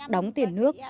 đóng tiền nước